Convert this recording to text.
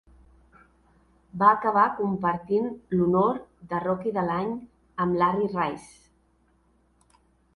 Va acabar compartint l'honor de "Rookie de l'any" amb Larry Rice.